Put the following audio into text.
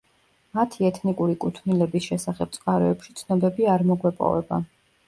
მათი ეთნიკური კუთვნილების შესახებ წყაროებში ცნობები არ მოგვეპოვება.